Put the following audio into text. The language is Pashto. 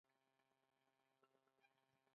ستا خبره مې ومنله.